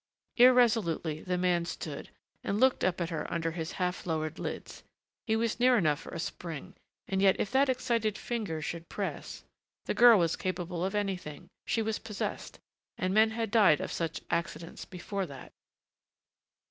Irresolutely the man stood and looked up at her under his half lowered lids. He was near enough for a spring and yet if that excited finger should press.... The girl was capable of anything. She was possessed.... And men had died of such accidents before that....